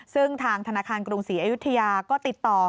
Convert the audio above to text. ซึ่งทางธนาคารกรุงศรีอยุธยาก็ติดต่อ